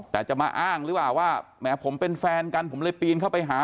แต่จะมาอ้างหรือเปล่าว่าแหมผมเป็นแฟนกันผมเลยปีนเข้าไปหา